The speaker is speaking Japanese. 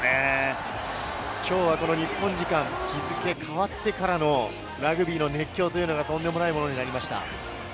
きょうは日本時間、日付変わってからのラグビーの熱狂がとんでもないものになりました。